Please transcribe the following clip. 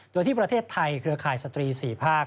โดยที่ประเทศไทยเครือข่ายสตรี๔ภาค